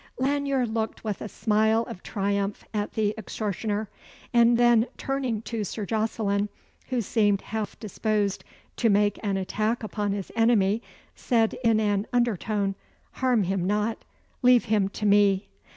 Lanyere looked with a smile of triumph at the extortioner, and then turning to Sir Jocelyn, who seemed half disposed to make an attack upon his enemy, said in an under tone, "Harm him not. Leave him to me."